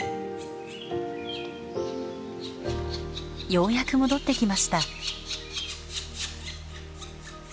ようやく戻って来ました。